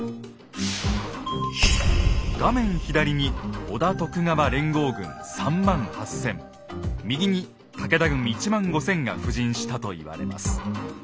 画面左に織田・徳川連合軍３万８千右に武田軍１万５千が布陣したと言われます。